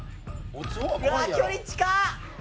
うわ距離近っ！